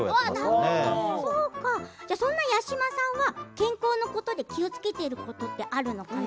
八嶋さんは健康のことで気をつけていることってあるのかな？